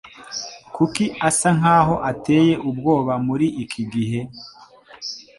Kuki asa nkaho ateye ubwoba muri iki gihe?